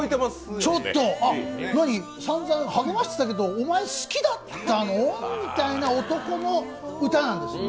何、さんざん励ましてたけど、お前好きだったの？みたいな男の歌なんです。